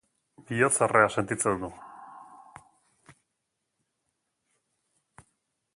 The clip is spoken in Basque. Bihotzerrea sentitzen du.